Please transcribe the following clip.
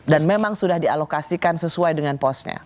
dan memang sudah dialokasikan sesuai dengan posnya